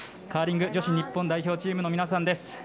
カーリング女子日本代表チームの皆さんです。